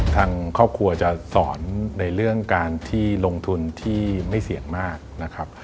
ทางครอบครัวจะสอนในเรื่องการที่ลงทุนที่ไม่เสี่ยงมากนะครับ